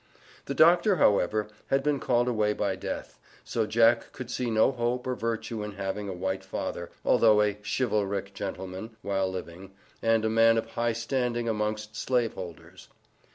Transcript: The Doctor, however, had been called away by death, so Jack could see no hope or virtue in having a white father, although a "chivalric gentleman," while living, and a man of high standing amongst slave holders.